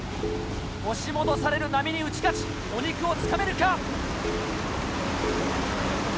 押し戻される波に打ち勝ちお肉をつかめるか？